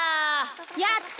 やった！